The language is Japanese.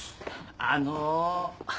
あの。